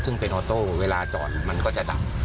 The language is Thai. เพราะตอนเวลาจอดมันก็จะต่ำ